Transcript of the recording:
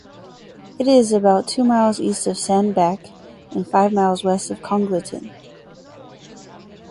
It is about two miles east of Sandbach and five miles west of Congleton.